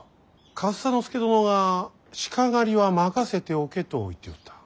上総介殿は鹿狩りは任せておけと言っておった。